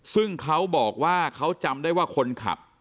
ซึ่งเขาบอกว่าเขาจำได้ว่าคนขับ